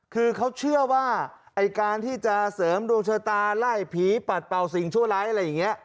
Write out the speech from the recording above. คือเขาเชื่อว่าไอ้การที่จะเสริมดวงชะตาไล่ผีปัดเป่าสิ่งชั่วร้ายอะไรอย่างนี้